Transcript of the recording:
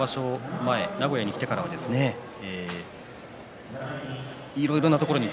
前名古屋に来てからはいろいろなところへ